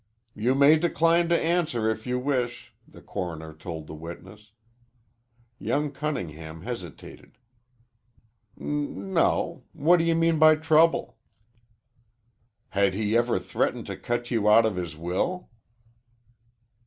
"You may decline to answer if you wish," the coroner told the witness. Young Cunningham hesitated. "No o. What do you mean by trouble?" "Had he ever threatened to cut you out of his will?"